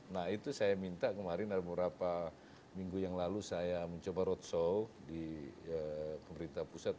nah itu saya minta kemarin ada beberapa minggu yang lalu saya mencoba roadshow di pemerintah pusat